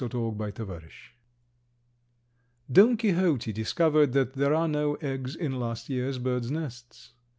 _ SONG OF ENDEAVOR Don Quixote discovered that there are no eggs in last year's bird's nests.